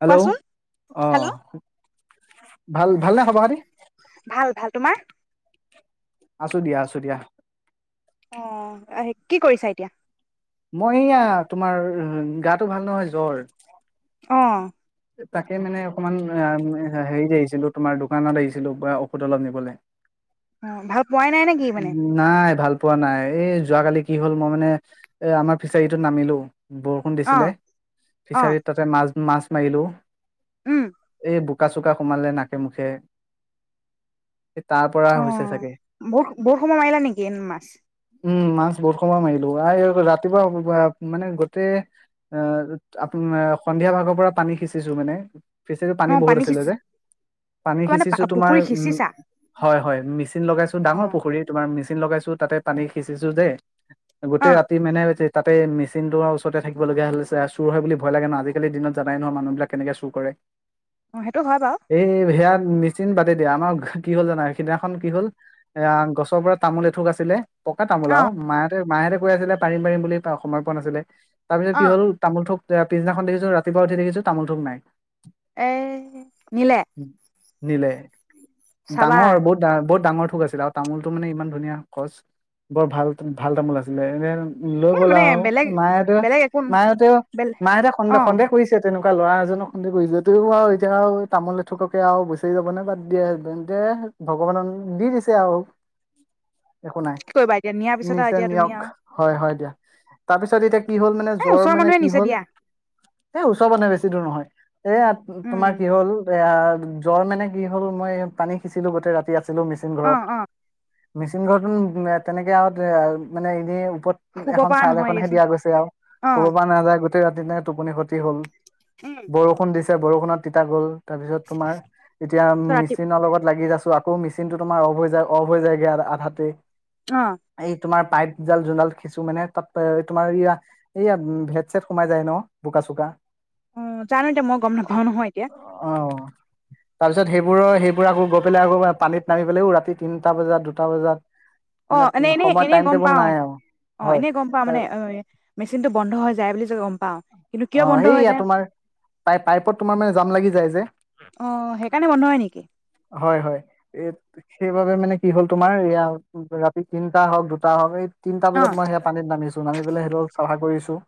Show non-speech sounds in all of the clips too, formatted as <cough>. Hello কোৱাচোন hello অহ ভাল ভালনে খবৰ খাতি ভাল ভাল তোমাৰ? আছো দিয়া আছো দিয়া অ আহ কি কৰিছা এতিয়া মই এয়া তোমাৰ গাটো ভাল নহয় জ্বৰ অ তাকে মানে অকণমান হেৰি আহিছিলো তোমাৰ দোকানত আহিছিলো বা ঔষধ অলপ নিবলে অ ভাল পোৱাই নাই নেকি মানে নাই ভাল পোৱা নাই এই যোৱাকালি কি হ'ল মই মানে এ আমাৰ ফিচাৰীটোত নামিলো বৰষুণ অ দিছিলে, অ ফিচাৰীত তাতে মাছ মাছ মাৰিলোঁ উম এই বুক চোক চোকা সোমালে নাকে মুখে তাৰ পৰা অ হৈছে চাগে বৰ বৰ সময় মাৰিলা নেকি এ মাছ উম মাছ বহুত সময় মাৰিলো ৰাতিপুৱা মানে গোটেই আহ আ আপোনাৰ সন্ধিয়া ভাগৰ পৰা পানী সিঁচিছো মানে ফিচাৰীত পানী অ বহুত আছিলে সিঁচি যে পানী মানে সিঁচিছো তোমাৰ পুখুৰী উ সিঁচিছা হয় হয় মেচিন লগাইছো অ ডাঙৰ পুখুৰী তোমাৰ মেচিন লগাইছো তাতে পানী সিঁচিছো দে অ গোটেই ৰাতি মেনে <inaudible> তাতে মেচিনটোৰ ওচৰতে থাকিবলগীয়া হৈছে আৰু চুৰ হয় বুলি ভয় লাগে ন। আজিকাল দিনত জানাই ন মানুহ বিলাক কেনেকে চুৰ কৰে অ সেইটো হয় বাৰু এই ভেয়া মেচিন বাদতি দিয়া আমাৰ কি হ'ল জানা সিদিনাখন কি হ'ল এ গছৰ পৰা তামোল এথুক আছিলে পকা তামোল অ আও মায় মাহেঁতে কৈ আছিলে পাৰিম পাৰিম বুলি সময় পোৱা নাছিলে তাৰ পিছত অ কি হল তামোল থোক এ পিছদিনাখন দেখছো ৰাতিপুৱা শুই উঠি দেখিছো তামোল থোক নাই। এ নিলে নিলে চাবা ডাঙৰ বহুত ডাঙ বহুত ডাঙৰ থোক আছিলে আৰু তামোল থোক মানে ইমান ধুনীয়া খচ বৰ ভাল ভাল তামোল আছিলে এনে লৈ এই গ'ল মানে আও বেলেগ মাহঁতে বেলেগ একো মাহঁতে বেলে মাহঁতে অ সন্দেহ সন্দেহ ছে তেনেকুৱা ল'ৰা এজনক সন্দেহ কৰিছে যতেও আৰু এতিয়া আৰু তামোল এ থোককে আৰু বিচাৰি যাবলে বাদ দিয়ে এন্তে ভগৱানক দি দিছে আৰু একো নাই কি কৰিবা এতিয়া নিয়াৰ পিছত আৰু নিচে এতিয়া তুমি নিয়ক আৰু হয় হয় দিয়া তাৰপিছত এতিয়া কি হ'ল মানে এ জ্বৰ ওচৰৰ মানে মানুহে কি নিছে হ'ল দিয়া এই ওচৰ মানে বেছি দূৰ নহয় এয়া তোমাৰ উম কি হ'ল এয়া জ্বৰ মানে কি হ'ল মই পানী সিচিলো গোটেই ৰাতি সিচিলো মিচিং অ ঘৰত অ মিচিং ঘৰটো তেনেকে আ এ মানে এনে ওপৰত শুব এখন পৰা ছাল নহয় এখন হে দিয়াচোন দিয়া গৈছে আৰু অ শুব পৰা নাযায় গোটেই ৰাতি টোপনি খটি কি হ'ল? উম বৰষুণ দিছে বৰষুণত তিতা গ'ল তাৰপিছত তোমাৰ এতিয়া ৰাতি মেচিনৰ লগত লাগি আছো ত আকৌ মেচিন টো তোমাৰ অফ হৈ যায় অফ হৈ যায়গে আধাতে অ এই তোমাৰ পাইপ জাল যোন ডাল খিচো মানে তাত তোমাৰ ই এইয়া ভেদ চেদ সোমাই যায় ন বোকা চোক চোকা অ জানো এ দেই এতিয়া মই গম নাপাও নহয় এতিয়া তাৰ পিছত সেইবোৰৰ সেইবোৰ আকৌ গৈ পেলাই আকৌ পানীত নামি পেলাও ৰাতি তিনিটা বজাত দুটা বজাত অ মানে এনে এনে সময় এনেই টাইম গম টেবুল পাও নাই আৰু অ হয় এনে গম পাও তাৰ মানে অ মেচিনটো বন্ধ হৈ যায় বুলি গম পাও কিন্তু কিয় অ বন্ধ হৈ সেইয়া যায় তোমাৰ পাই পাইপত তোমাৰ মানে জাম লাগি যায় যে অ সেইকাৰণে বন্ধ হয় নেকি হয় হয় এই সেইবাবে মানে কি হ'ল তোমাৰ এয়া ৰাতি তিনটা হওক দুটা হওক এই তিনিটা অ বজাত মই হে পানীত নামিছো নামি পেলাই সেইটো চাফা কৰিছোঁ ত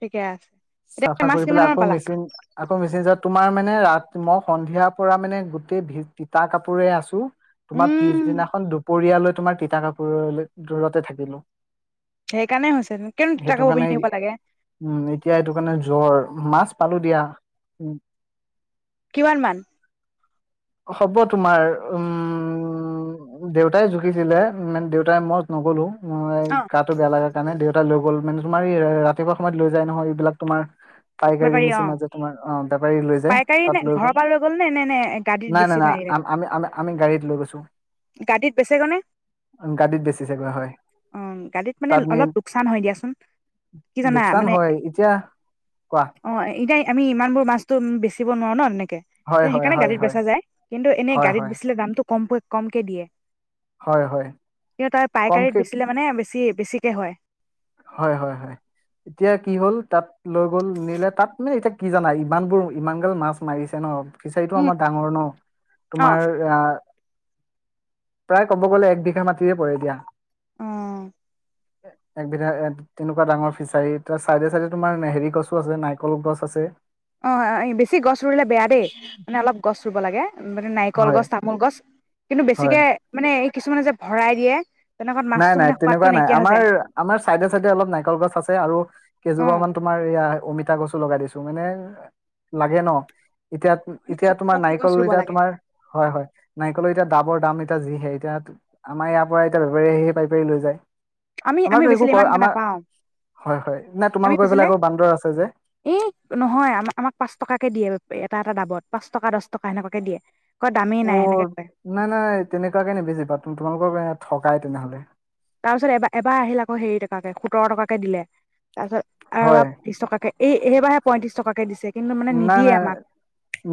ঠিকে আছে এতিয়া চাফা মাছ কৰি কিমান পেলাই মান আকৌ পালা মেচিন আকৌ মেচেজত তোমাৰ মানে ৰাতি মই সন্ধিয়াৰ পৰা মানে গোটেই তিতা কাপোৰে আছো। তোমাৰ উম পিছদিনাখন দুপৰীয়ালৈ তোমাৰ তিতা কাপোৰলৈ দূৰতে থাকিলো। সেইকাৰণে হৈছে কিয়নো তিতা কাপোৰ কাৰণে পিন্ধি থাকিব লাগে? উম এতিয়া সেইটো কাৰণে জ্বৰ, মাছ পালো দিয়া। কিমানমান? হ'ব তোমাৰ উম দেউতাই জুখিছিলে দেউতাই মই নগলো মই অ গা টো বেয়া লগা কাৰণে দেউতাই এ লৈ গ'ল মানে তোমাৰ ৰাতিপুৱা সময়ত লৈ যায় নহয় এই বিলাক তোমাৰ পাই গাড়ীৰ বেপাৰী অ নিচিনা যে তোমাৰ অ বেপাৰী লৈ যায় পাইকাৰী তাত নে লৈ ঘৰৰ গল পৰা নে নে নে গাদীত নাই বেছি নাই থৈ নাই আহিলে আ আমি গাড়ীত লৈ গৈছো গাদীত বেচেগৈ নে গাড়ীত বেচি জেগা হয় অ গাদীত মানে তাত নি অলপ লোকচান হয় দিয়াচোন কি জানা লোকচান মানে হয় কোৱা অ এতিয়া আমি ইমান বোৰ মাছতো বেচিব নোৱাৰো ন তেনেকে। হয় কিন্তু হয় সেইকাৰণে হয় গাড়ীত হয় বেচা যায় কিন্তু এনে হয় গাড়ীত হয় বেচিলে দামটো কমকৈ কমকে দিয়ে হয় হয় কিন্তু তাৰ পাইকাৰিত কমকে বেচিলে মানে বেছি বেছিকে হয়। হয় হয় হয় এতিয়া কি হ'ল তাত লৈ গ'ল নিলে তাত মানে এতিয়া কি জানা ইমানবোৰ ইমান গাল মাছ মাৰিছে ন ফিচাৰীটো উম আমাৰ ডাঙৰ ন অ', তোমাৰ আ প্ৰায় ক'ব গ'লে এক বিঘা মাটিৰে পৰে দিয়া। উম এক তেনেকুৱা ডাঙৰ ফিচাৰী তাৰ চাইডে, চাইডে তোমাৰ হেৰি গছো আছে নাৰিকল গছ আছে। অ বেছি গছ ৰুলে বেয়া দেই মানে অলপ গছ ৰুব লাগে। মানে নাৰিকল হয় গছ তামোল গছ কিন্তু হয় বেছিকে মানে কিছুমানে যে ভৰাই দিয়ে। তেনেকুৱাত নাই মাছটো নাই মানে সোৱাদটো তেনেকুৱা নাই নাইকিয়া হৈ আমাৰ যায়। আমাৰ চাইডে চাইডে অলপ নাৰিকল গছ আছে আৰু কেইজোপাৰ অ', মান তোমাৰ ইয়া অমিতা গছো লগাই দিছো মানে লাগে ন। এতিয়া এনেকে -এতিয়া ওখ তোমাৰ ওখ নাৰিকল গছ ৰুব এতিয়া লাগে তোমাৰ হয়, হয় নাৰিকল এতিয়া দামৰ দাম এ যিহে এতিয়া আমাৰ ইয়াৰ পৰা এতিয়া একেবাৰে সি পাৰি পাৰি লৈ যায় আমি আমি আমাৰতো একো বেছিলে ক ইমানকে আমাৰ নাপাও, হয় হয় নাই আমি তোমালোকৰ এইফালে বেছিলে, আকৌ বান্দৰ আছে যে এ নহয় আ আমাক পাঁচ টকাকে দিয়ে এটা এটা দাবত। পাঁচ টকা দহ টকা এনেকুৱাকে দিয়ে। কয় দামেই অ নাই সেনেকে কয় নাই নাই তেনেকুৱা কেনে বি পাত তু তোমালোকৰ থকাই তেনেহ'লে। তাৰপিছত এবাৰ এবাৰ আহিল আকৌ হেৰি টকাকে সোতৰ টকাকে দিলে। তাৰপিছত হয় আৰুব তিছ টকাকে এইেবাৰাহে পইত্ৰশ টকাকে দিছে। কিন্তু মানে নাই নিদিয়ে নাই আমাক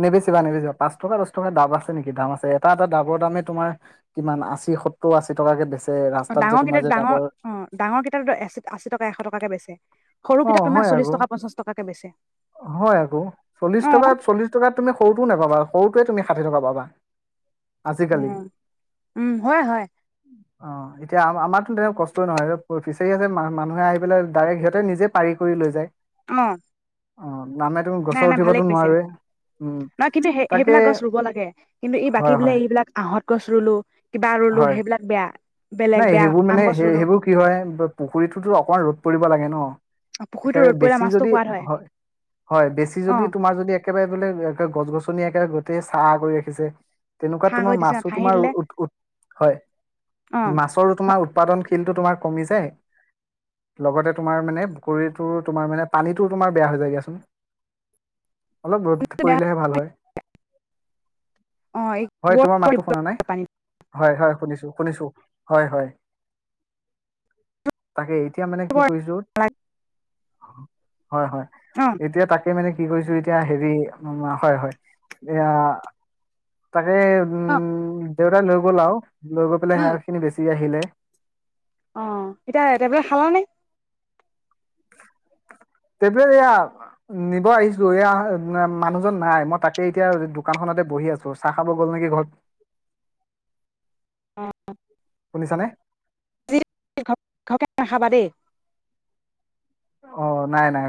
নেবেচিবা নেবেচিবা পাঁচ টকা দচ টকা ডাব আছে নেকি দাম আছে। এটা এটা ডাবৰ দামে তোমাৰ কিমান আশী সত্তৰ আশী টকাকে বেছি। অ ডাঙৰ কিতাপ ডাঙৰ অ ডাঙৰ কিতাপো আশী টকা এশ টকাকে বেচছে। অ হয় আকৌ হয় আকৌ চল্লিশ অ টকা চল্লিশ টকাত তুমি সৰুটোও নোপাবা। সৰুটোৱে তুমি ষাঠি টকা পাবা। অ, আজিকালি উম হয় হয় অ এতিয়া আম আমাৰতো তেনেক কষ্টই নহয় ফিচাৰী আছে মানুহে আহি পেলাই ডাইৰেক্ট সিহঁতে নিজে পাৰি কৰি লৈ যায়। অ অ নামে তুমি নাই গছৰ নাই উঠিবতো ভালেই কৈছে, নোৱাৰোৱে উম ন কিন্তু সেই তাকে সেইবিলাক গছ ৰুব লাগে কিন্তু এই বাকী হয় বোলে হয় এইবিলাক আহত। কচৰু লো কিবা আৰু লোহ হয় সেইবিলাক বেয়া। বেলেগ নাই বেয়া সেইবোৰ আম মানে স গছ ৰুলো সেইবোৰ কি হয় পুখুৰীতটোতো অকণমান ৰ'দ পৰিব লাগে ন। অ। পুখুৰীতো একেবাৰে ৰ'দ পৰিলে বেছি মাছটো যদি, সোৱাদ হয়, হয় বেছি অ যদি তোমাৰ যদি একেবাৰে বোলে গছ গছ <unintelligible> পুনি একেৰে গোটেই ছা কৰি ৰাখিছে। তেনেকুৱা ঠাঁ তোমাৰ কৰি দিছে মাছো ঠাহি তোমাৰ দিলে উ উ হয়। অ মাছৰ য'ত। তোমাৰ উৎপাদন শিলটো তোমাৰ কমি যায় লগতে তোমাৰ মানে পুখুৰীটো তোমাৰ মানে পানীটো তোমাৰ বেয়া হৈ যায়গাচোন। অলপ ৰদ মাছটো বেয়া। পৰিলেহে ভাল হয়, অ এই হয় তোমাৰ মাতো শুনা নাই। পানী হয়, হয় শুনিছো শুনিছো। হয় হয়, তাকে। এতিয়া মানে কি অ কৰিছো। হয় হয় এতিয়া তাকে মানে কি কৈছো এতিয়া হেৰি হয় হয় এয়া তাকে অ উম। দেউতাই লৈ গ'ল আৰু। লব পলে উম হে। বেচি আহিলে। অ এতিয়াটবলে খালা নে? তবলে এয়া নিব আহিছো এয়া মানুহজন নাই মই তাকে এতিয়া দোকানখনতে বহি আছো চাহ খাব গ'ল নেকি ঘৰত। অ শুনিছানে ঘকে নাখাবা দেই অ নাই নাই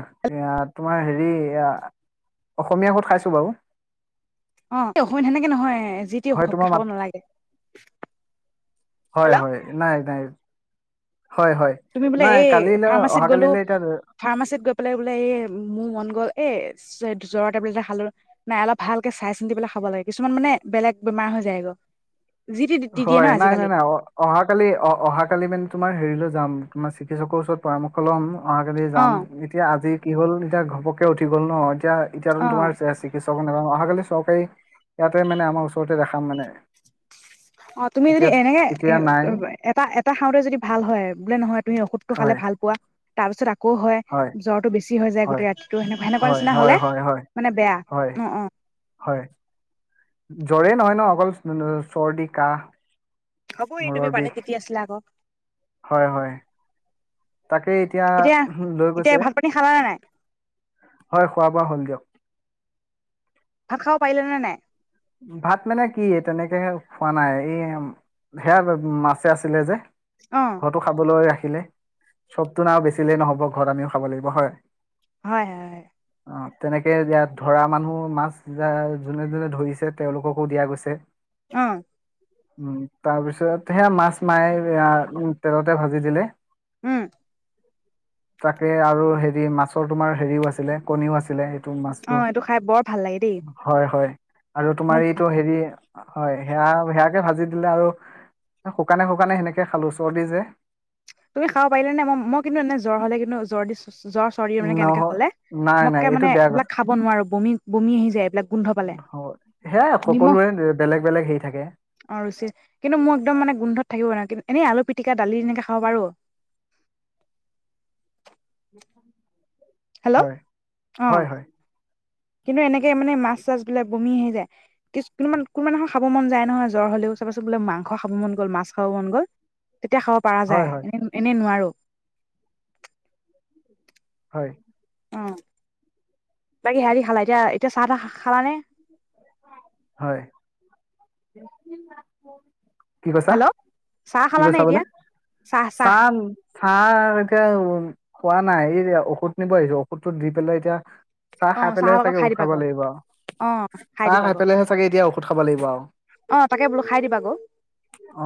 তোমাৰ হেৰি অসমীয়া ক'ত খাইছো বাৰু অ অসমীয়া সেনেকে নহয় যি টি হয় ঘপকে তোমাৰ খাব মাত নালাগে হয় হেল্ল' হয় নাই নাই হয় হয় তুমি বোলে নাই এই কালিলৈ ফাৰ্মাচীত অহা গ'লো। কালিলৈ এতিয়া ফাৰ্মাচীত গৈ পেলাই বোলে এই মোৰ মন গ'ল এ জৰৰ টেবলেট এটা খালো নাই অলপ ভালকে চাই চিন্তি পেলাই খাব লাগে কিছুমান মানে বেলেগ বেমাৰ হৈ যায় গ হয় নাই নাই নাই অ অহা কালি অ অহাাকালি মানে তোমাৰ হেৰিলৈ যাম তোমাৰ চিকিৎসকৰ ওচৰত পৰামৰ্শ ল'ম অহাকালি অ যাম এতিয়া আজি কি হ'ল এতিয়া ঘপকে উঠি গ'ল ন এতিয়া অ তোমাৰ চিকিছ চাব নাপাম অহাকালি চৰকাৰী, ইয়াতে মানে আমাৰ ওচৰতে দেখাম মানে। অ তুমি যদি এতিয়া এনেকে, এ এতিয়া নাই এটা এটা খাওঁতে যদি ভাল হয় বোলে নহয় তুমি ঔষধটো খালে হয় ভাল পোৱা তাৰ পিছত আ আকৌ হয় জ্বৰটো বেছি। ঠিক হৈ যায় হয় গোটেই ৰাতিটো সেনেকুৱা সেনেকুৱা হয় নিচিনা হয় হলে হয় হয় মানে বেয়া হয় অ অ হয় জ্বৰেই নহয় ন অকল চৰ্দি কাহ হ'ব এই তুমি মূৰৰ এই পানিত বিষ তিতি আছিলা আকৌ হয় হয়। তাকেই এতিয়া লৈ এতিয়া গৈছে ভাত পানী খালা নে নাই হয় খোৱা বোৱা হল দিয়ক। ভাত খাব পাৰিলে নে নাই। ভাত মানে কি তেনেকে খোৱা নাই। এই সেয়া মাছে আছিলে যে। অ ঘৰটো খাবলৈ ৰাখি চবটো নাও বেচিলে নহব ঘৰত আমিও খাব লাগিব হয়। হয় হয় হয়। অ তেনেকে ইয়াত ধৰা মানুহ মাছ যোনে যোনে ধৰিছে। তেওঁলোককো দিয়া গৈছে। হম উম তাৰপিছত সেয়া মাছ মাৰি তেলতে ভাজি দিলে। উম। তাকে আৰু হেৰি মাছৰ তোমাৰ হেৰিও আছিলে কণীও আছিলে মাছটো অ এইটো খাই বৰ ভাল লাগে দেই হয় হয় আৰু মই তোমাৰ এইটো হেৰি হয় সেয়া সেয়াকে ভাজি দিলে আৰু শুকানে শুকানে সেনেকে খালো চৰ্দি যে তুমি খাব পাৰিলে নে মই মই কিন্তু এনে জ্বৰ হলে কিন্তু জ্বৰ দিছো জ্বৰ চৰ্দি মানে কেনেকে নহয় হলে নাই নাই মইকে এইটো মানে বেয়া এইবিলাক কথা খাব নোৱাৰো বমি বমি আহি যায় এইবিলাক গোন্ধ পালে হ'ব সেয়াই নিমখ সকলোৰে বেলেগ বেলেগ হেৰি থাকে অ ৰুচি কিন্তু মোক একদম মানে গোন্ধত থাকিব ন কিন্তু এনেই আলু পি দালি এনে হ বাৰু হয় অ হয় হয় কিন্তু এনেকে মানে মাছ চাছ বিলাক বমি আহি যায় কি কোনো কোনোমান নহয় খাব মন যায় নহয় জ্বৰ হলেও চাবা বোলে মাংস খাব মন গল মাছ খাব মন গল তেতিয়া খাব পৰা হয় যায় হয় এনে এনেই নোৱাৰো হয় উম বাকী হেৰি খালা এতিয়া এতিয়া চাহ তাহ খালা নে হয় কি কৈছা হেল্ল' চাহ কি খালানে কৈছা এতিয়া বোলে চাহ চাহ এতিয়া উ পোৱা নাই এই ঔষধ নিব আহিছো ঔষধটো দি পেলাই এতিয়া চাহ অ খাই চাহৰ পেলাইহে লগত চাগে খাই উঠ দিবা খাব আকৌ লাগিব আৰু অ চাহ দিবা খাই আকৌ পেহে চাগে এতিয়া ঔষধ খাব লাগিব আৰু অ তাকে বোলো খাই দিবা আকৌ অ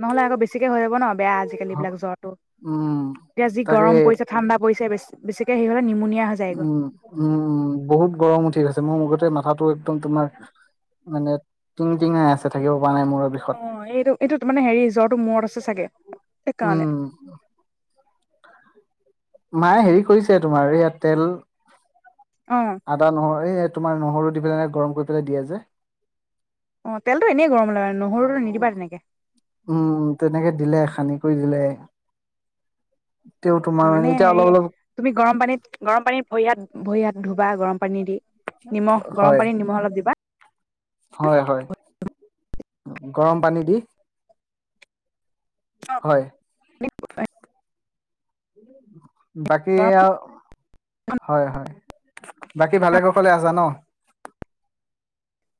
নহলে আকৌ বেছি হৈ যাব ন বেয়া আজিকালি এইবিলাক হ- জ্বৰটো উম এতিয়া যি তাকে গৰম পৰিছে ঠাণ্ডা পৰিছে বেছি বেছিকে হেৰি হলে নিমনীয়া উম উম উম বহুত গৰম উঠি আছে মুখতে মাথাাটো একদম তোমাৰ মানে টিঙ টিঙাই আছে থাকেও অ এইটো এইটো ত মানে হেৰি জ্বৰ মূৰত আছে চাগে সেইকাৰণে উম মায়ে হেৰি কৰিছে তোমাৰ ইয়াত তেল অ আদা নহয় এই তোমাৰ নহৰু দি পেলাই গৰম কৰি পেলাই দিয়া যে অ তেলতটো এনেই গৰম হ' মানে নহৰুটো অ'। নিদিবা তেনেকে থুই দিলে তেওঁ তোমাৰ মানে এতিয়া অলপ হেৰি অলপ তুমি গৰম পানীত গৰম পানীত ভৰি হাত ভৰি হাত ধুবা গৰম পানী দি নিমখ হয় গৰম পানী নিমখ অলপ দিবা হয় হয় গৰম পানী দি হয় বাকী অ হয় হয় বাকী ভালে কুশলে আছা ন